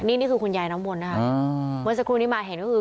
นี่นี่คือคุณยายน้ำมนต์นะคะเมื่อสักครู่นี้มาเห็นก็คือ